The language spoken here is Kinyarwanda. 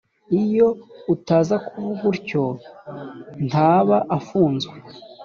iyo utaza kuvuga utyo ntaba afunzwe